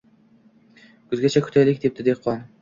Kuzgacha kutaylik, — debdi dehqon